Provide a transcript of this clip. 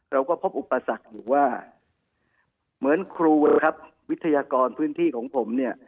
เราก็พบอุปสรรคอยู่ว่าเหมือนครูนะครับวิทยากรพื้นที่ของผมเนี่ย